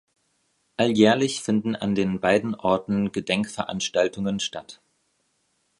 Alljährlich finden an den beiden Orten Gedenkveranstaltungen statt.